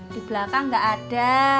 di belakang gak ada